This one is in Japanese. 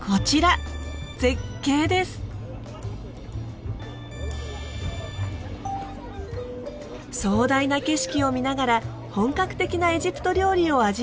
壮大な景色を見ながら本格的なエジプト料理を味わうことができます。